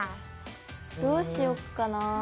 どうしよっかな。